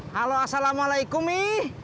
halo assalamu'alaikum mi